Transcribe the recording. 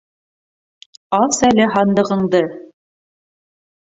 Ас әле һандығыңды!